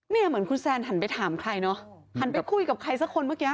เหมือนคุณแซนหันไปถามใครเนอะหันไปคุยกับใครสักคนเมื่อกี้